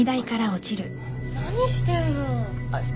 何してるの？